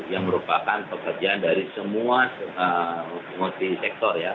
yang merupakan pekerjaan dari semua multi sektor ya